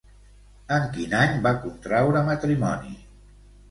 En quin any va contraure matrimoni?